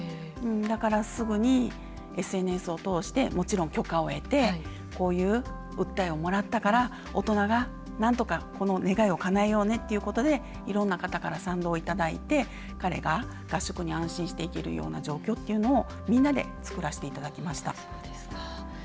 だからすぐにＳＮＳを通してもちろん許可を得てこういう訴えをもらったから大人が何とかこの願いをかなえようねということでいろんな方から賛同をいただいて、彼が合宿に安心して行けるような状況というのを、みんなで作らしていただきました。